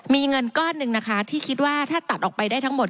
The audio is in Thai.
มีเงินก้อนหนึ่งนะคะที่คิดว่าถ้าตัดออกไปได้ทั้งหมด